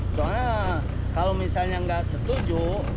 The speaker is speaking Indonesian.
soalnya kalau misalnya nggak setuju